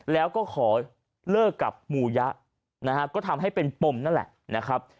แล้วก็ขอเลิกกับหมู่ยะนะฮะก็ทำให้เป็นปมนั่นแหละนะครับ